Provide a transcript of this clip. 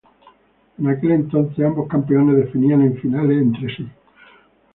En aquel entonces, ambos campeones definían en finales entre sí.